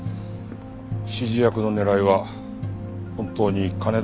指示役の狙いは本当に金だったのか？